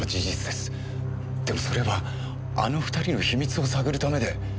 でもそれはあの２人の秘密を探るためで。